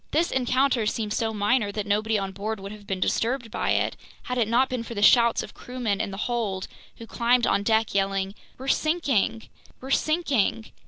This encounter seemed so minor that nobody on board would have been disturbed by it, had it not been for the shouts of crewmen in the hold, who climbed on deck yelling: "We're sinking! We're sinking!"